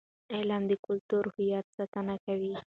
علم د کلتوري هویت ساتنه کوي.